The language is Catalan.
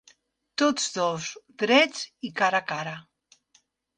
Tots dos drets i cara a cara